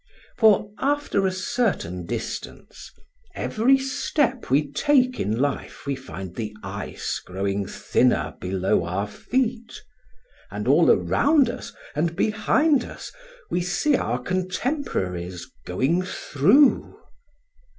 For, after a certain distance, every step we take in life we find the ice growing thinner below our feet, and all around us and behind us we see our contemporaries going through.